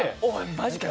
マジかよ！